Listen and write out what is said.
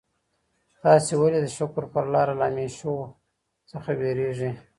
تاسي ولي د شکر پر لاره له همېشهو څخه وېرېږئ؟